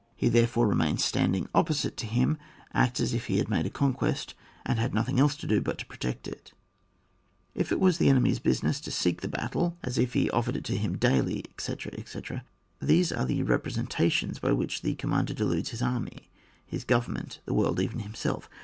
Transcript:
He therefore remains standing opposite to him ; acts as if he had made a conquest, and had nothing else to do but to protect it ; as if it was the enemy's business to seek the battle, as if he offered it to him daily, etc., ete. These are the reprssentations with which the commander deludes his army, his govern ment, the world, even himself.